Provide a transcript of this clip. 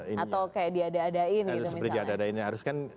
atau kayak diada adain gitu misalnya